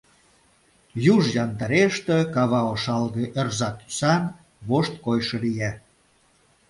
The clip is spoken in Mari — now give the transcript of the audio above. Юж яндареште, кава ошалге-ӧрза тӱсан, вошт койшо лие.